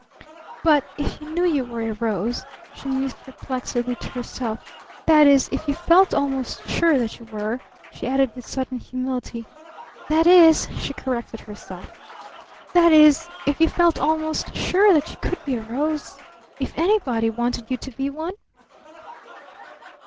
"But if you knew you were a rose?" she mused perplexedly to herself. "That is if you felt almost sure that you were," she added with sudden humility. "That is " she corrected herself "that is if you felt almost sure that you could be a rose if anybody wanted you to be one?"